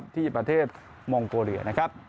ที่ประเทศมองโกเรีย